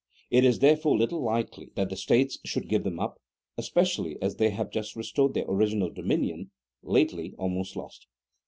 It is therefore little likely that the States should give them up, especially as they have just restored their original dominion, lately almost lost.